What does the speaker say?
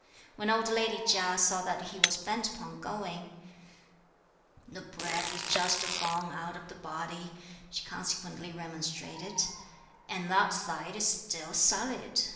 When old lady Chia saw that he was bent upon going: "The breath is just gone out of the body," she consequently remonstrated, "and that side is still sullied.